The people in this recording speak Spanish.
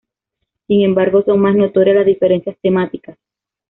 Sin embargo, son más notorias las diferencias temáticas.